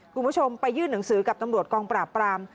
คุณผู้ชมไปยื่นหนังสือกับตำรวจกองปราบปราม